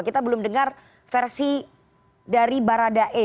kita belum dengar versi dari baradae